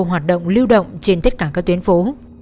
hoạt động lưu động trên tất cả các tuyến phố